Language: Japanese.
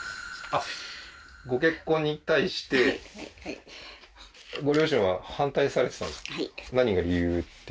あっご結婚に対してはいはいはいご両親は反対されてたんですか？